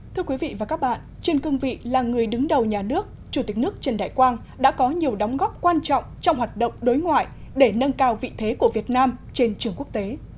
thưa quý vị và các bạn trên cương vị là người đứng đầu nhà nước chủ tịch nước trần đại quang đã có nhiều đóng góp quan trọng trong hoạt động đối ngoại để nâng cao vị thế của việt nam trên trường quốc tế